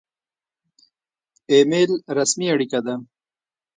ایمیل رسمي اړیکه ده